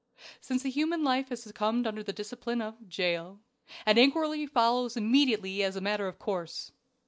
"Since a human life has succumbed under the discipline of Jail, an inquiry follows immediately as a matter of course.